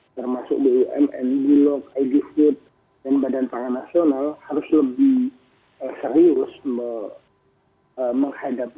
termasuk di indonesia dan di indonesia juga bisa menjelang ini